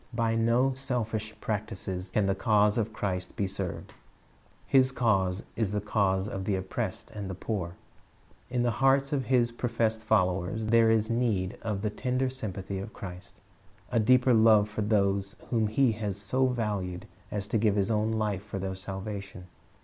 By no selfish practises can the cause of Christ be ser\ed. His cause is the cause of the oppressed and the poor. In 384 Chris.t^s Object LcssonS the hearts of His professed followers there is need of the tender sympathy of Christ, — a deeper love for those whom He has so valued as to give His own life for their salvation.